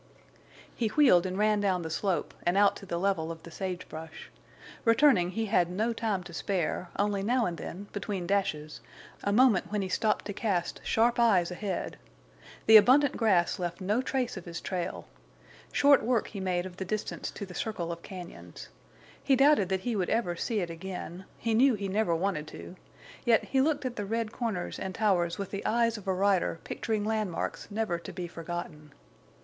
He wheeled and ran down the slope, and out to the level of the sage brush. Returning, he had no time to spare, only now and then, between dashes, a moment when he stopped to cast sharp eyes ahead. The abundant grass left no trace of his trail. Short work he made of the distance to the circle of cañons. He doubted that he would ever see it again; he knew he never wanted to; yet he looked at the red corners and towers with the eyes of a rider picturing landmarks never to be forgotten.